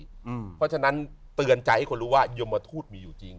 เพราะฉะนั้นเตือนใจให้คนรู้ว่ายมทูตมีอยู่จริง